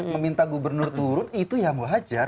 meminta gubernur turun itu ya wajar